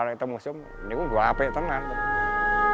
nanti kalau kita menemukan ini ini juga hape saja